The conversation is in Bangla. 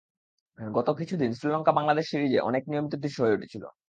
গত কিছুদিন শ্রীলঙ্কা বাংলাদেশ সিরিজ অনেক নিয়মিত দৃশ্য হয়ে উঠেছিল।